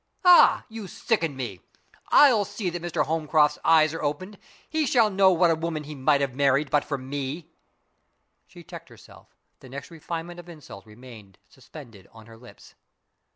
Ah! you sicken me. I'll see that Mr. Holmcroft's eyes are opened; he shall know what a woman he might have married but for Me " She checked herself; the next refinement of insult remained suspended on her lips.